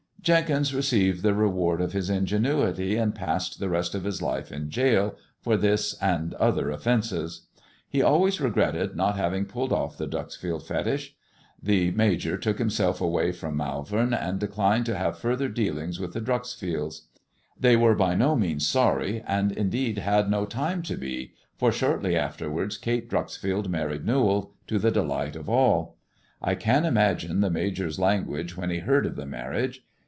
Jenkins received the reward of his ingenuity, and passed the rest of his life in gaol for this and other offences. He always regretted not having pulled off the Dreuzfield fetich. The Major took himself away from Malvern, and declined to have further dealings with the Dreuxfields. They were by no means sorry, and, indeed, had no time to be, for shortly afterwards Kate Dreuxfield married Newall, to the delight of all. I can imagine the Major's language when he heard of the marriage.